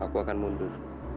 aku akan mundur